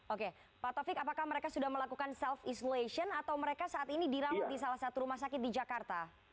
oke pak taufik apakah mereka sudah melakukan self isolation atau mereka saat ini dirawat di salah satu rumah sakit di jakarta